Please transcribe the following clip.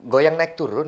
goyang naik turun